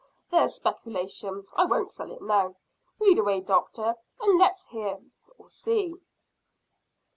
There's speculation! I won't sell it now. Read away, doctor, and let's hear or see."